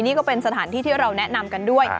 นี่ก็เป็นสถานที่ที่เราแนะนำกันด้วย